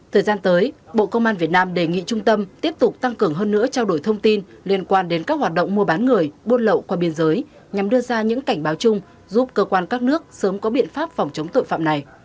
thời gian tới bộ công an việt nam đề nghị trung tâm tiếp tục tăng cường hơn nữa trao đổi thông tin liên quan đến các hoạt động mua bán người buôn lậu qua biên giới nhằm đưa ra những cảnh báo chung giúp cơ quan các nước sớm có biện pháp phòng chống tội phạm này